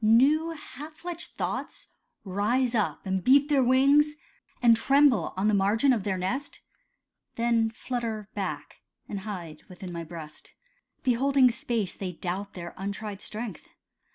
New half fledged thoughts rise up and beat their wings, And tremble on the margin of their nest, Then flutter back, and hide within my breast. Beholding space, they doubt their untried strength.